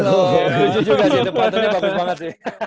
lucu juga sih depannya bagus banget sih